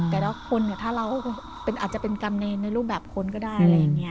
แต่ถ้าคนอาจจะเป็นกรรมเนรในรูปแบบคนก็ได้